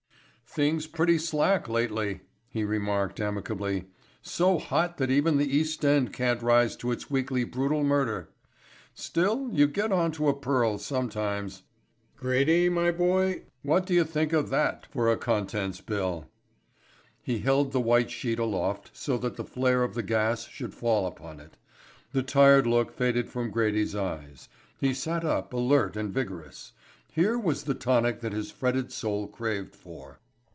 "Things pretty slack lately," he remarked amicably. "So hot that even the East End can't rise to its weekly brutal murder. Still you get on to a pearl sometimes. Grady, my boy, what do you think of that for a contents bill?" He held the white sheet aloft so that the flare of the gas should fall upon it. The tired look faded from Grady's eyes; he sat up alert and vigorous. Here was the tonic that his fretted soul craved for.